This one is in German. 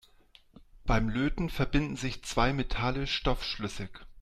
Beim Löten verbinden sich zwei Metalle stoffschlüssig.